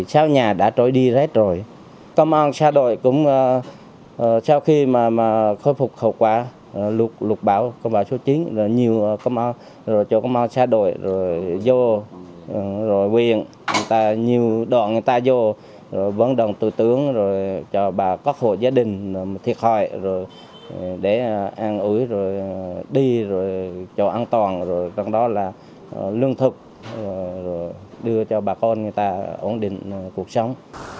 sau khi khôi phục khẩu quả lục bão số chín nhiều công an xa đổi vô quyền nhiều đoạn người ta vô vấn đồng tù tướng cho bà cất hộ gia đình thiệt hại để an ủi đi cho an toàn trong đó là lương thực đưa cho bà con người ta ổn định cuộc sống